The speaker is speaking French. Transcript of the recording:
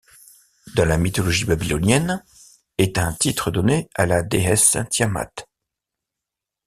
Dans la mythologie babylonienne, est un titre donné à la déesse Tiamat.